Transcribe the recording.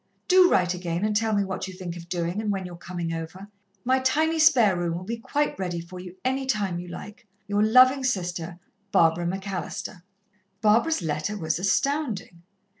Do write again and tell me what you think of doing and when you're coming over. My tiny spare room will be quite ready for you, any time you like. "Your loving sister, "BARBARA MCALLISTER." Barbara's letter was astounding.